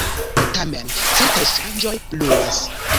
Tamen certaj ŝanĝoj pluas.